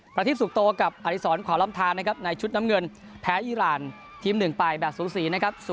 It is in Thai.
ประทิบสุขโตกับอธิสรความล้ำทานนะครับในชุดน้ำเงินแพ้อีร่านทีมหนึ่งไปแบบสูงสีนะครับ